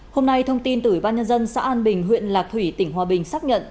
hôm nay thông tin từ ủy ban nhân dân xã an bình huyện lạc thủy tỉnh hòa bình xác nhận